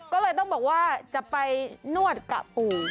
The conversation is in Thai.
ก็เลยต้องบอกว่าจะไปนวดกะปู่